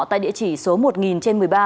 tại địa chỉ số một nghìn trên một mươi ba